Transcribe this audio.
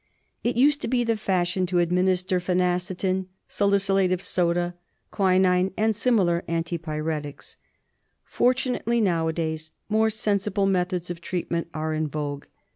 It used to be the fashion to administer phenacetin, salicylate of soda, quinine, and similar anti pyretics. Fortunately now ^ days more sensible methods of treatment are in vogue.